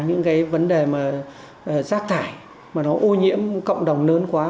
những cái vấn đề mà rác thải mà nó ô nhiễm cộng đồng lớn quá